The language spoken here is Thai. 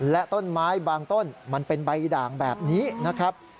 และต้นไม้บางต้นมันเป็นใบด่างแบบนี้นะครับ